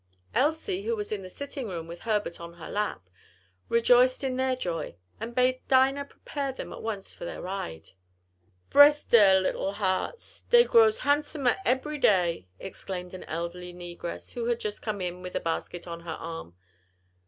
Elsie, who was in the sitting room with Herbert on her lap, rejoiced in their joy, and bade Dinah prepare them at once for their ride. "Bress dere little hearts! dey grows hansomer ebery day," exclaimed an elderly negress, who had just come in with a basket on her arm.